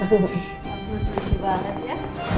ambil cuci banget ya